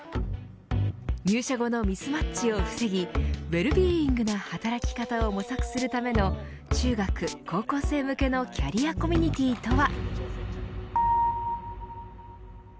入社後のミスマッチを防ぎウェルビーイングな働き方を模索するための中学、高校生向けのキャリアコミュニティーとは。